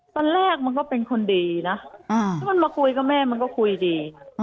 ตอนแรกมันก็เป็นคนดีนะถ้ามันมาคุยกับแม่มันก็คุยดี